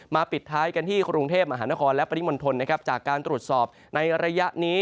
ปิดท้ายกันที่กรุงเทพมหานครและปริมณฑลนะครับจากการตรวจสอบในระยะนี้